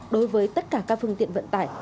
đối với tất cả các phương tiện vận tải